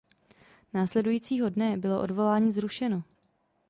Následujícího dne bylo odvolání zrušeno.